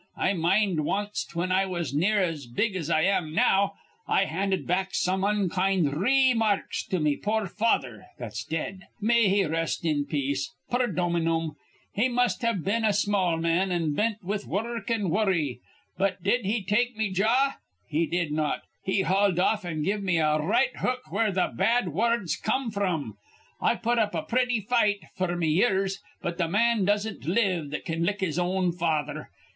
I mind wanst, whin I was near as big as I am now, I handed back some onkind re emarks to me poor father that's dead. May he rest in peace, per Dominum! He must iv been a small man, an' bent with wurruk an' worry. But did he take me jaw? He did not. He hauled off, an' give me a r right hook where th' bad wurruds come fr'm. I put up a pretty fight, f'r me years; but th' man doesn't live that can lick his own father.